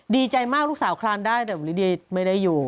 ดีใจมากลูกสาวคลานได้แต่ลิเดียไม่ได้อยู่